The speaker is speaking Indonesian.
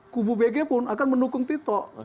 kubu bg pun akan mendukung tito